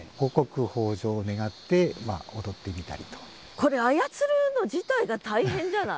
これ操るの自体が大変じゃない？